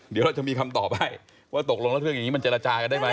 เดี๋ยวเราจะมีคำตอบให้ว่าตกลงแล้วเรื่องอย่างนี้มันเจรจากันได้ไหม